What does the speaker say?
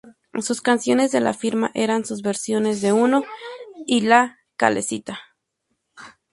Sus canciones de la firma eran sus versiones de "Uno" y "La Calesita".